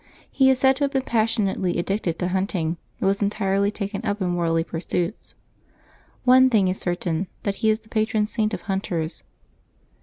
He is said to have been passionately addicted to hunting, and was entirely taken up in worldly pursuits. One thing is certain : that he is the patron saint of hunters.